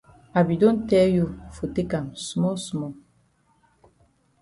I be don tell you for take am small small.